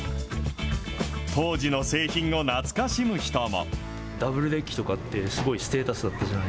当時の製品を懐かしむ人も。